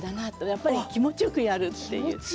やっぱり気持ちよくやるっていう。